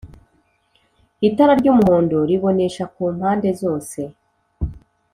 itara ry’umuhondo ribonesha ku mpande zose.